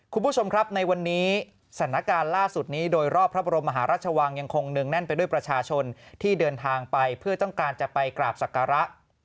คุณผู้ชมครับในวันนี้สถานการณ์ล่าสุดนี้โดยรอบพระบรมมหาราชวังยังคงเนื่องแน่นไปด้วยประชาชนที่เดินทางไปเพื่อต้องการจะไปกราบศักระ